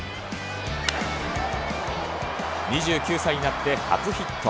２９歳になって初ヒット。